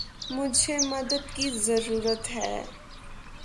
مجھے مدد کی ضرورت ہے۔